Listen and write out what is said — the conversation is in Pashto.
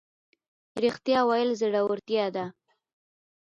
رښتیا ویل زړورتیا ده